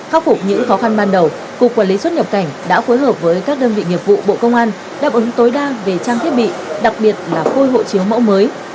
khắc phục những khó khăn ban đầu cục quản lý xuất nhập cảnh đã phối hợp với các đơn vị nghiệp vụ bộ công an đáp ứng tối đa về trang thiết bị đặc biệt là khôi hộ chiếu mẫu mới